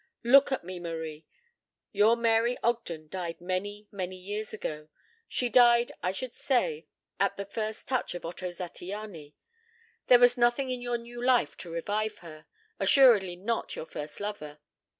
"Look at me, Marie. Your Mary Ogden died many, many years ago. She died, I should say, at the first touch of Otto Zattiany. There was nothing in your new life to revive her, assuredly not your first lover.